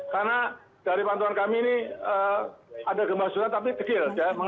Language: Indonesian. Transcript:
karena dari pantuan kami ini ada gempa surat tapi kecil ya